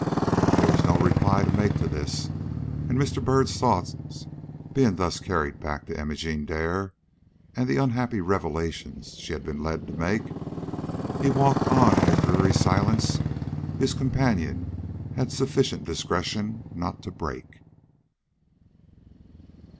There was no reply to make to this, and Mr. Byrd's thoughts being thus carried back to Imogene Dare and the unhappy revelations she had been led to make, he walked on in a dreary silence his companion had sufficient discretion not to break.